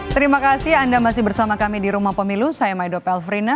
terima kasih anda masih bersama kami di rumah pemilu saya maido pelfrina